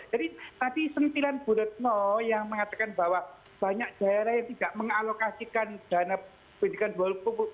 jadi tadi sentilan bu retno yang mengatakan bahwa banyak daerah yang tidak mengalokasikan dana pendidikan dua luku